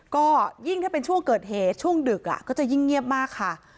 ก็ยิ่งถ้าเป็นช่วงเกิดเหตุช่วงดึกก็จะยิ่งเงียบมากค่ะ